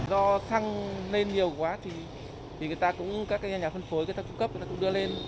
do xăng lên nhiều quá thì các nhà phân phối các nhà cung cấp cũng đưa lên